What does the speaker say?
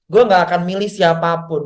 gue gak akan milih siapapun